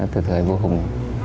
từ thời vua hùng